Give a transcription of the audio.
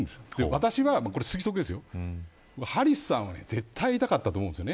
私は、推測ですがハリスさんは絶対会いたかったと思うんです。